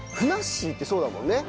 しーってそうだもんね。